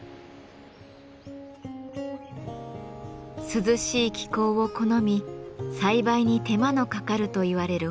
涼しい気候を好み栽培に手間のかかるといわれるホップ。